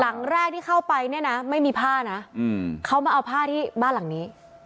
หลังแรกที่เข้าไปเนี่ยนะไม่มีผ้านะเขามาเอาผ้าที่บ้านหลังนี้